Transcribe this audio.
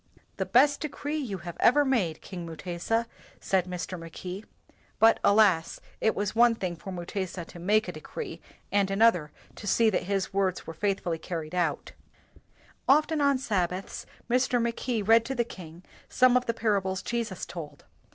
"The best decree you have ever made, King Mutesa," said Mr. Mackay: but alas, it was one thing for Mutesa to make a de cree and another to see that his words were faithfully carried out. 102 WHITE MEN AND BLACK MEN Often on Sabbaths Mr. Mackay read to the king some of the parables Jesus told.